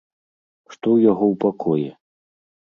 Што ў яго ў пакоі?